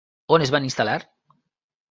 On es van instal·lar?